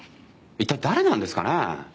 一体誰なんですかね？